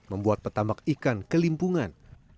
membuat petambak ikan kelimpungan